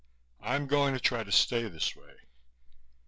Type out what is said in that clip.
"I'm going to try to stay this way."